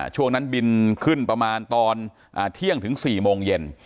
ช่วงนั้นบินขึ้นประมาณตอนเที่ยงถึง๔โมงเย็น